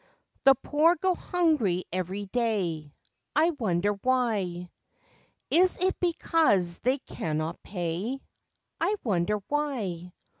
The poor go hungry every day, I wonder why! Is it because they cannot pay? I wonder why!